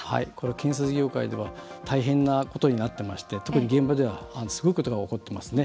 建設業界では大変なことになっていまして特に現場ではすごいことが起こっていますね。